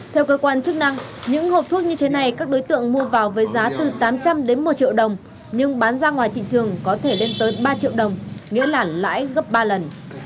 theo cơ quan chức năng những hộp thuốc như thế này các đối tượng mua vào với giá từ tám trăm linh đến một triệu đồng nhưng bán ra ngoài thị trường có thể lên tới ba triệu đồng nghĩa là lãi gấp ba lần